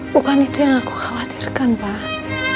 bukan itu yang aku khawatirkan pak